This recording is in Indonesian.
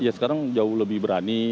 ya sekarang jauh lebih berani